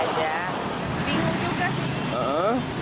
bingung juga sih